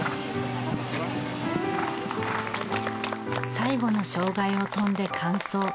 最後の障害を跳んで完走。